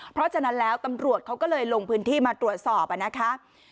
เพราะฉะนั้นแล้วตำรวจเขาก็เลยลงพื้นที่มาตรวจสอบนะคะ